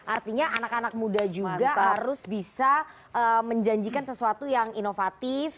artinya anak anak muda juga harus bisa menjanjikan sesuatu yang inovatif